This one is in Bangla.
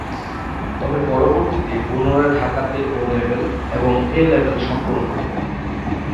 তবে পরবর্তীতে পুনরায় ঢাকাতে ও লেভেল এবং এ লেভেল সম্পন্ন করেন।